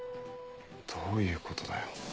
どういうことだよ。